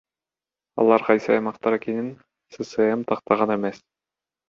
Алар кайсы аймактар экенин ССМ тактаган эмес.